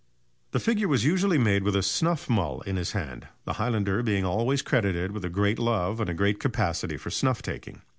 The figure was usually made with a snuff mull in his hand the highlander being always credited with a great love and a great capacity for snuff taking.